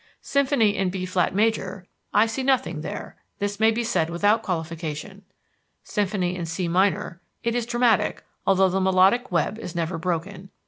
Symphony in B flat major I see nothing there this may be said without qualification. Symphony in C minor it is dramatic, although the melodic web is never broken.